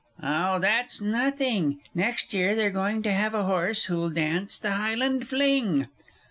Oh, that's nothing; next year they're going to have a horse who'll dance the Highland Fling.